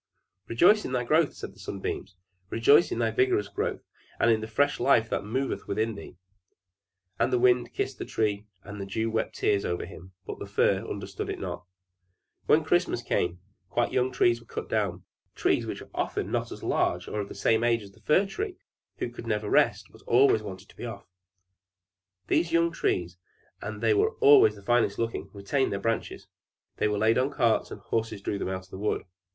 "Rejoice in thy growth!" said the Sunbeams. "Rejoice in thy vigorous growth, and in the fresh life that moveth within thee!" And the Wind kissed the Tree, and the Dew wept tears over him; but the Fir understood it not. When Christmas came, quite young trees were cut down: trees which often were not even as large or of the same age as this Fir Tree, who could never rest, but always wanted to be off. These young trees, and they were always the finest looking, retained their branches; they were laid on carts, and the horses drew them out of the wood.